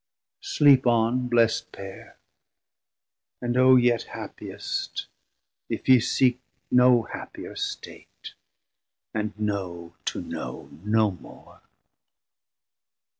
Sleep on, Blest pair; and O yet happiest if ye seek No happier state, and know to know no more.